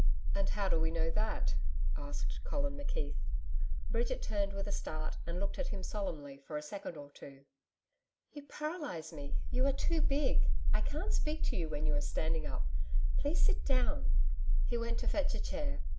"' 'And how do we know that?' asked Colin McKeith. Bridget turned with a start and looked at him solemnly for a second or two. 'You paralyse me: you are too big. I can't speak to you when you are standing up. Please sit down.' He went to fetch a chair.